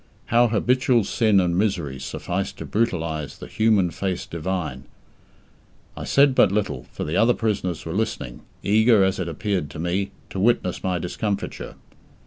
How habitual sin and misery suffice to brutalize "the human face divine"! I said but little, for the other prisoners were listening, eager, as it appeared to me, to witness my discomfiture.